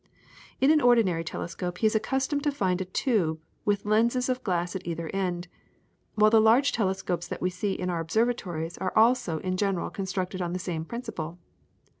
In an ordinary telescope he is accustomed to find a tube with lenses of glass at either end, while the large telescopes that we see in our observatories are also in general constructed on the same principle.